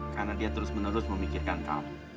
karena dia terus menerus memikirkan kamu